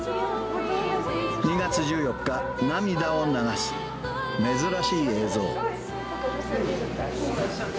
２月１４日、涙を流す珍しい映像。